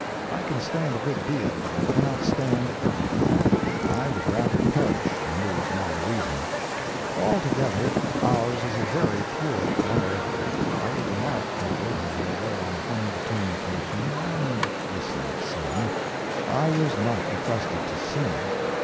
I can stand a good deal, but I cannot stand everything. I would rather perish than lose my reason. Altogether, ours is a very poor choir. I will remark here, that although I hummed a tune occasionally, and whistled some, I was not requested to sing.